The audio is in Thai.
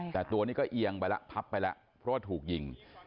แต่ตัวนี้ก็เอียงไปแล้วพับไปแล้วเพราะว่าถูกยิง